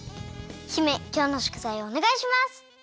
姫きょうのしょくざいをおねがいします！